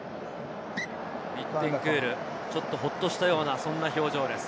ビッテンクール、ちょっとほっとしたような表情です。